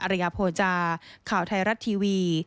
ริยโภจาข่าวไทยรัฐทีวี